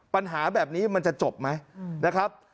ปัญหาแบบนี้มันจะจบไหมนะครับ